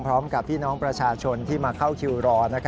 พร้อมกับพี่น้องประชาชนที่มาเข้าคิวรอ